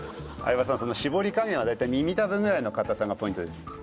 相葉さんその絞り加減は大体耳たぶぐらいの硬さがポイントです。